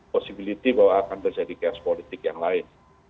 posibiliti bahwa akan terjadi chaos politik yang lain